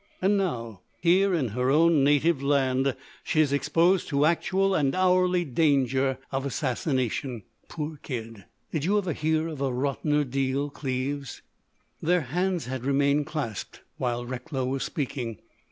And now, here in her own native land, she is exposed to actual and hourly danger of assassination.... Poor kid!... Did you ever hear of a rottener deal, Cleves?" Their hands had remained clasped while Recklow was speaking.